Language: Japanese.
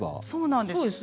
そうなんです。